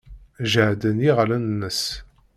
Jehden yiɣallen-nnes.